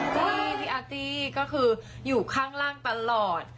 ที่พี่อาร์ตี้ก็คืออยู่ข้างล่างตลอด